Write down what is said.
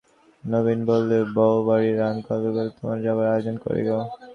নবীন বললে, বউরানী, কাল তা হলে তোমার যাবার আয়োজন করি গে।